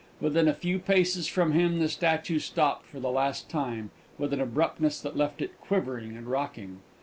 Within a few paces from him the statue stopped for the last time, with an abruptness that left it quivering and rocking.